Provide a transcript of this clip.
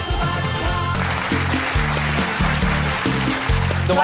ก่อนนี้อันดับสาม